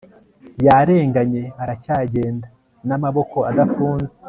yarenganye, aracyagenda n'amaboko adafunze